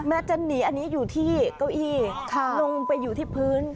จะหนีอันนี้อยู่ที่เก้าอี้ลงไปอยู่ที่พื้น